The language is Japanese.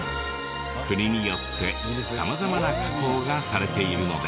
国によって様々な加工がされているのです。